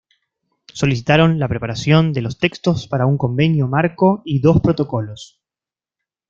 Solicitaron la preparación de los textos para un convenio marco y dos protocolos.